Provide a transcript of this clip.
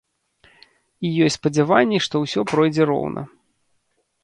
І ёсць спадзяванні, што ўсё пройдзе роўна.